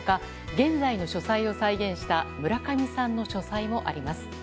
現在の書斎を再現した村上さんの書斎もあります。